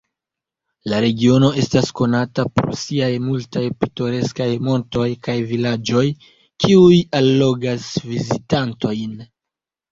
La regiono estas konata pro siaj multaj pitoreskaj montoj kaj vilaĝoj, kiuj allogas vizitantojn.